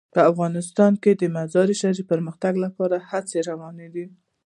په افغانستان کې د مزارشریف د پرمختګ لپاره هڅې روانې دي.